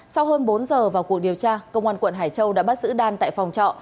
sau hơn bốn giờ vào cuộc điều tra công an quận hải châu đã bắt giữ đan tại phòng trọ